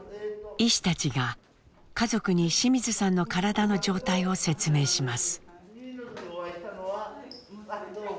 医師たちが家族に清水さんの体の状態を説明します。